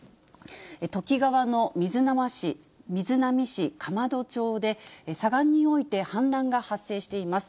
土岐川の瑞浪市かまど町で、左岸において氾濫が発生しています。